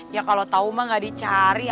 ya kalau tahu gak dicari